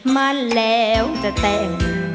มั่นแล้วจะแต่ง